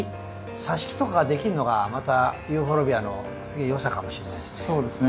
さし木とかができるのがまたユーフォルビアのよさかもしれないですね。